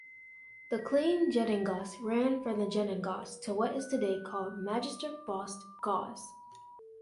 The "Kleine Judengasse" ran from the "Judengasse" to what is today called Magister-Faust-Gasse.